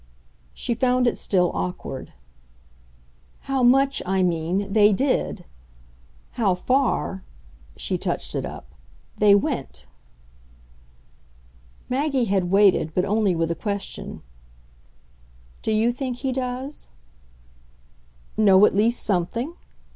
She found it still awkward. "How much, I mean, they did. How far" she touched it up "they went." Maggie had waited, but only with a question. "Do you think he does?" "Know at least something?